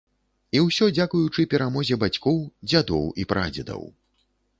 І ўсё дзякуючы перамозе бацькоў, дзядоў і прадзедаў.